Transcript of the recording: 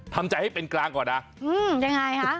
ทำใจให้เป็นกลางก่อนนะ